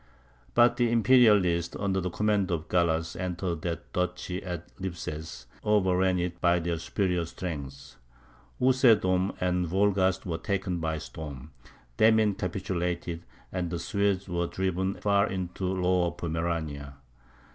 But the Imperialists, under the command of Gallas, entered that duchy at Ribses, and overran it by their superior strength. Usedom and Wolgast were taken by storm, Demmin capitulated, and the Swedes were driven far into Lower Pomerania.